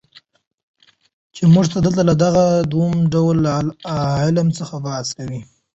چي موږ دلته له دغه دووم ډول علم څخه بحث کوو.